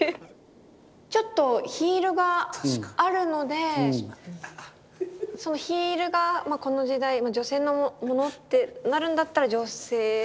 ちょっとヒールがあるのでヒールがこの時代女性のものってなるんだったら女性？